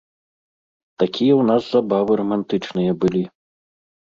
Такія ў нас забавы рамантычныя былі.